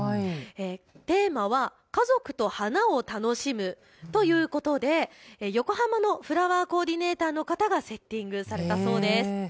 テーマは家族と花を楽しむということで横浜のフラワーコーディネーターの方がセッティングされたそうです。